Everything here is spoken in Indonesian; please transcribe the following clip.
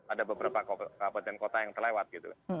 ada beberapa kabupaten kota yang terlewat gitu